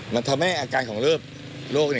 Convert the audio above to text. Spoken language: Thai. มันทำให้อาการของโรค